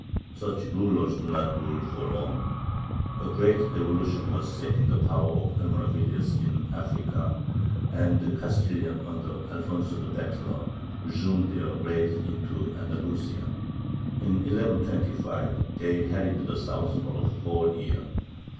Such rulers do not rule for long. A great revolution was sapping the power of the Almoravides in Africa, and the Castilians under Alfonso the Battler resumed their raids into Andalusia. In 1125 they harried the south for a whole year.